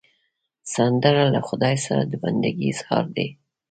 سندره له خدای سره د بندګي اظهار دی